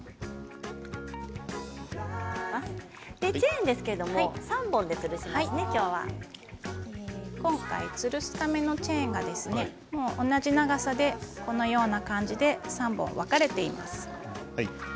チェーンですけどつるすためのチェーンが同じ長さでこのような感じで３本分かれています。